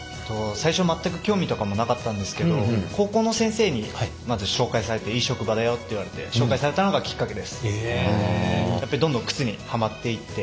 最初は全く興味とかもなかったんですけど高校の先生にまず紹介されていい職場だよって言われて紹介されたのがきっかけです。